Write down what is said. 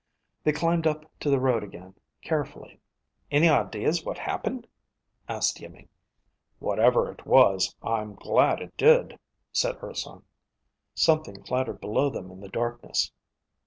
They climbed up to the road again, carefully. "Any ideas what happened?" asked Iimmi. "What ever it was, I'm glad it did," said Urson. Something clattered before them in the darkness.